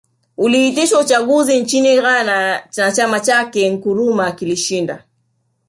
Uliitishwa uchaguzi nchini Ghana na chama chake Nkrumah kilishinda